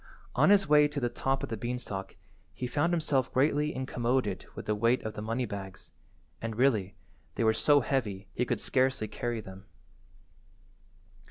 On his way to the top of the beanstalk he found himself greatly incommoded with the weight of the money bags, and, really, they were so heavy he could scarcely carry them.